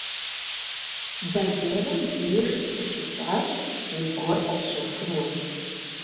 Бэзэрым деж сыкъыщикӀащ, зыгуэр къэсщэхуну.